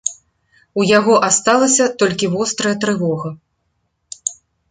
У яго асталася толькі вострая трывога.